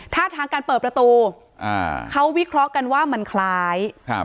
ท่าทางการเปิดประตูอ่าเขาวิเคราะห์กันว่ามันคล้ายครับ